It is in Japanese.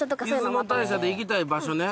出雲大社で行きたい場所ね。